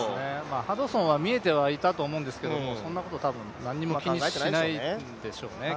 ハドソンは見えていたとは思うんですけど、そんなこと何も気にしないんでしょうね。